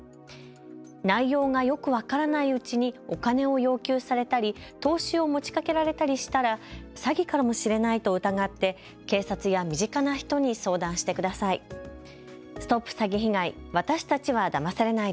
内容がよく分からないうちにお金を要求されたり投資を持ちかけられたりしたら詐欺かもしれないと疑って警察や身近な人に相談してください。